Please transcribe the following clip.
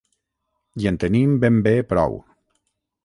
I en tenim ben bé prou.